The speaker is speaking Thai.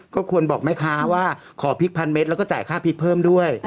ก็ควรบอกแม่ค้าว่าขอพริกพันเมตรแล้วก็จ่ายค่าพริกเพิ่มด้วย